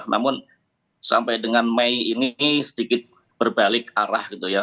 namun sampai dengan mei ini sedikit berbalik arah gitu ya